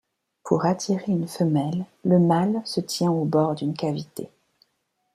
Pour attirer une femelle, le mâle se tient au bord d'une cavité.